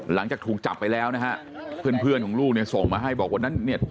หลังจากถูกจับไปแล้วนะฮะเพื่อนเพื่อนของลูกเนี่ยส่งมาให้บอกวันนั้นเนี่ย